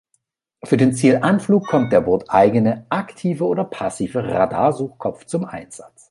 Für den Zielanflug kommt der bordeigene, aktive oder passive Radarsuchkopf zum Einsatz.